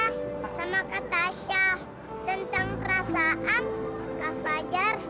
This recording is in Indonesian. lepasin pak randy